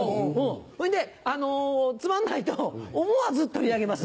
そんでつまんないと思わず取り上げます。